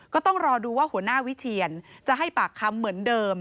ก็ต้องรอดูว่าหัวหน้าวิเชียนจะให้ปากคำเหมือนเดิม